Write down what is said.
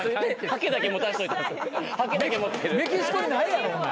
メキシコにないやろ。